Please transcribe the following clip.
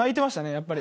やっぱり。